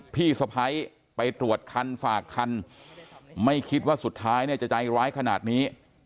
พี่สะพ้ายไปตรวจคันฝากคันไม่คิดว่าสุดท้ายเนี่ยจะใจร้ายขนาดนี้